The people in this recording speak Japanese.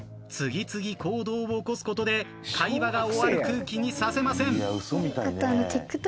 次々行動を起こすことで会話が終わる空気にさせません。